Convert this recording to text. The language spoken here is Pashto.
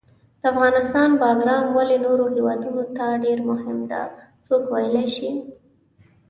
د افغانستان باګرام ولې نورو هیوادونو ته ډېر مهم ده، څوک ویلای شي؟